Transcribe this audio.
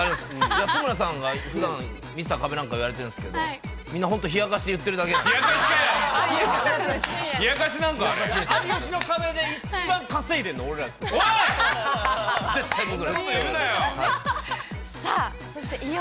安村さんがふだんミスター壁なんか言われてるんですけど、みんな本当、冷やかしじゃないよ。